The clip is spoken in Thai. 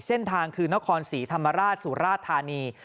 เส้นทางคือนครศรีธรรมราชสุราธานี